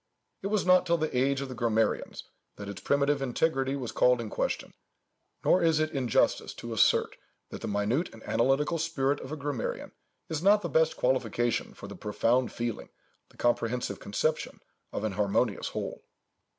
It was not till the age of the grammarians that its primitive integrity was called in question; nor is it injustice to assert, that the minute and analytical spirit of a grammarian is not the best qualification for the profound feeling, the comprehensive conception of an harmonious whole.